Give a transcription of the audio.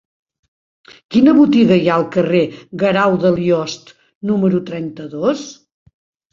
Quina botiga hi ha al carrer de Guerau de Liost número trenta-dos?